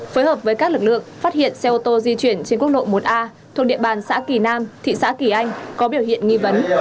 phối hợp với các lực lượng phát hiện xe ô tô di chuyển trên quốc lộ một a thuộc địa bàn xã kỳ nam thị xã kỳ anh có biểu hiện nghi vấn